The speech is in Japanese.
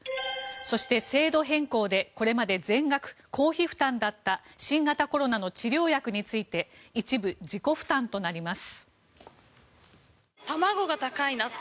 そして制度変更でこれまで全額公費負担だった新型コロナの治療薬について一部自己負担となります。